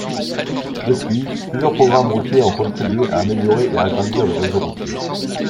Depuis, plusieurs programmes routiers ont contribué à améliorer et agrandir le réseau routier.